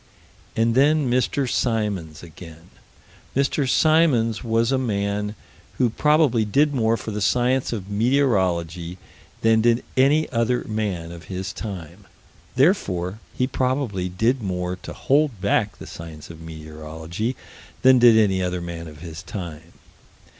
And then Mr. Symons again. Mr. Symons was a man who probably did more for the science of meteorology than did any other man of his time: therefore he probably did more to hold back the science of meteorology than did any other man of his time.